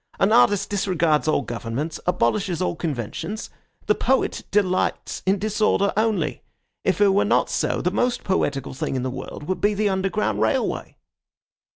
An artist disregards all governments, abolishes all conventions. The poet delights in disorder only. If it were not so, the most poetical thing in the world would be the Underground Railway."